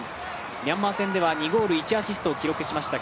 ミャンマー戦では、２ゴール１アシストを決めました